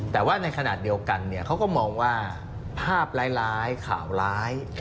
แต่ว่าในขณะเดียวกันเขาก็มองว่าภาพร้ายข่าวร้าย